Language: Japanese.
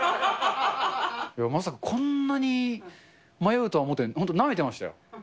まさかこんなに迷うとは、本当なめてましたよ。